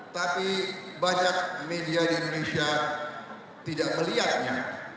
tapi banyak media di indonesia tidak melihatnya